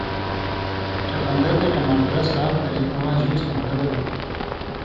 چقندر تے ٹماٹرہ صاف کرے اِواں جُوس نھیلہ گلے